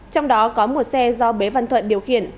trong đó có một xe do bế văn thuận điều khiển